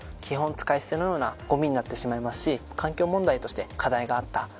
基本使い捨てのようなゴミになってしまいますし環境問題として課題があった。